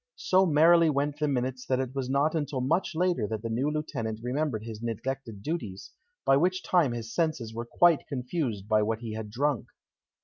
So merrily went the minutes that it was not until much later that the new lieutenant remembered his neglected duties, by which time his senses were quite confused by what he had drunk.